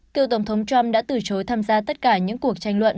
cựu tổng thống trump đã từ chối tham gia tất cả những cuộc tranh luận